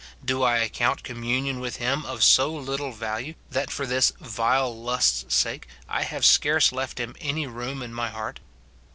Do I account communion with him of so little value, that for this vile lust's sake I have scarce left him any room in my heart